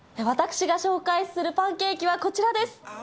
私が紹介するパンケーキはこちらです。